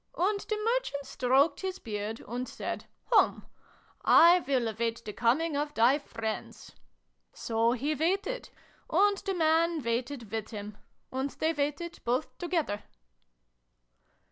"And the Merchant stroked his beard, and said ' Hum ! I will await the coming of thy friends.' So he waited. And the Man waited with him. And they waited both together."